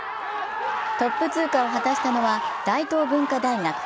トップ通過を果たしたのは大東文化大学。